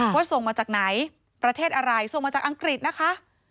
ส่งมาจากไหนประเทศอะไรส่งมาจากอังกฤษนะคะ